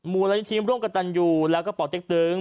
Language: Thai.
มูลนิธิร่วมกับตันยูแล้วก็ป่อเต็กตึง